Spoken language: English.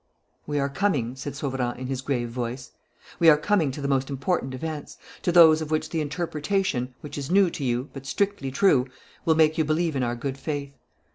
"We are coming," said Sauverand, in his grave voice, "we are coming to the most important events, to those of which the interpretation, which is new to you, but strictly true, will make you believe in our good faith.